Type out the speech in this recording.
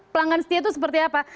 pelanggan setia itu seperti apa